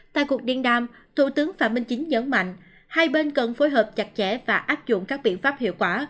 tại cuộc điện đàm thủ tướng phạm minh chính nhấn mạnh hai bên cần phối hợp chặt chẽ và áp dụng các biện pháp hiệu quả